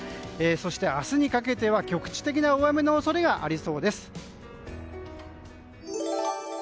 そして明日にかけては局地的な大雨の恐れがありそうです。